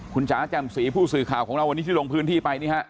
คุณจ๋าแจ่มสีผู้สื่อข่าวของเราวันนี้ที่ลงพื้นที่ไปนี่ฮะ